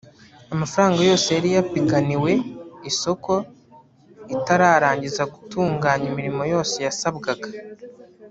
amafaranga yose yari yapiganiwe isoko itararangiza gutunganya imirimo yose yasabwaga